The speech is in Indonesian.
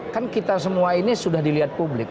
kan kita semua ini sudah dilihat publik